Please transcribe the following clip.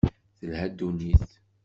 Telha ddunit.